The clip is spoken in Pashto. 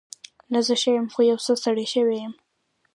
نه، زه ښه یم. خو یو څه ستړې شوې یم.